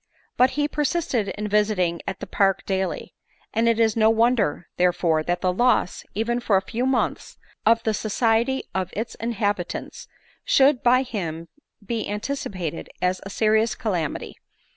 But he persisted in visiting at die Park daily ; and it is no wonder, therefore, that the loss, even for a few months, of the society of its inhabitants, should by him be anticipated as a serious calamity.